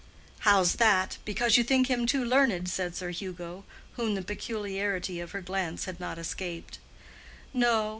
"How's that? Because you think him too learned?" said Sir Hugo, whom the peculiarity of her glance had not escaped. "No.